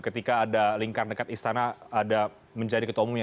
ketika ada lingkar dekat istana ada menjadi ketua umumnya